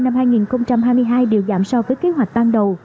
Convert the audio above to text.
năm hai nghìn hai mươi hai đều giảm so với kế hoạch ban đầu